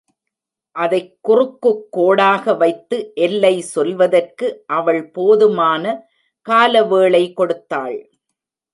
அதைக் குறுக்குக் கோடாக வைத்து எல்லை சொல்வதற்கு அவள் போதுமான காலவேளை கொடுத்தாள்.